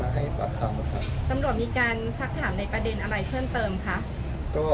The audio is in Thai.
ตำรวจมีการสักถามในประเด็นอะไรเพิ่มเติมคะ